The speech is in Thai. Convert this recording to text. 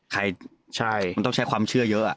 มันต้องใช้ความเชื่อเยอะ